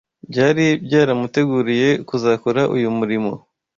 byari byaramuteguriye kuzakora uyu murimo.